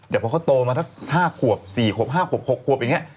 แต่พอเขาโตมาสัก๕ขวบ๔ขวบ๕ขวบ๖ขวบอย่างนี้